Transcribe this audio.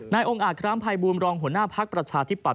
นายองค์อากร้ามพัยมูลมรองหัวหน้าภาคประชาธิปัตย์